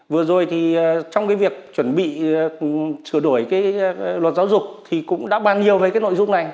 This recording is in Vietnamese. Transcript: vừa rồi thì trong cái việc chuẩn bị sửa đổi cái luật giáo dục thì cũng đã bàn nhiều về cái nội dung này